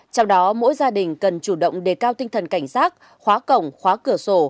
trong đó mỗi gia đình cần chủ động đề cao tinh thần cảnh sát khóa cổng khóa cửa sổ